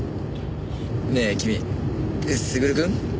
ねえ君優くん？